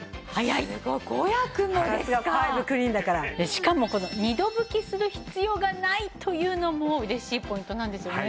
しかも２度拭きする必要がないというのも嬉しいポイントなんですよね。